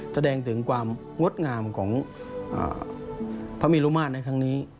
แสดงถึงความงดงามของพระมิลุมาตรในครั้งนี้